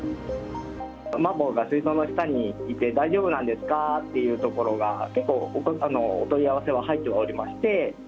マンボウが水槽の下にいて大丈夫なんですか？というところが、結構、お問い合わせは入ってはおりまして。